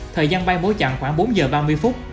thời gian bay bố chặn khoảng bốn giờ ba mươi phút